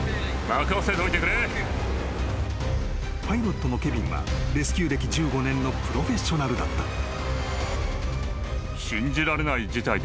［パイロットのケビンはレスキュー歴１５年のプロフェッショナルだった］